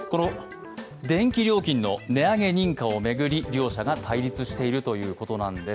電気料金の値上げ認可を巡り両者が対立しているということなんです。